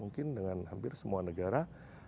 mungkin dengan hampir semua negara